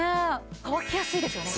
乾きやすいですよね。